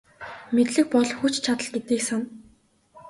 Мэдлэг бол хүч чадал гэдгийг сана.